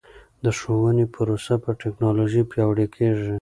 د ښوونې پروسه په ټکنالوژۍ پیاوړې کیږي.